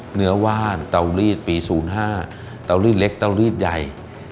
เหนือวาลตาวรีดปี๐๕ตาวรีดเล็กตาวรีดใหญ่